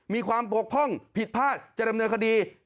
มีความปกพร่องผิดพลาดจะดำเนินคดี